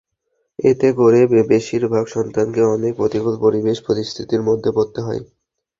এতে করে বেশির ভাগ সন্তানকে অনেক প্রতিকূল পরিবেশ-পরিস্থিতির মধ্যে পড়তে হয়।